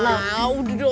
nah udah dong